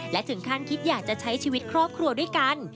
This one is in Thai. และถึงขั้นคิดอยากจะใช้ชีวิตครอบครัวด้วยกัน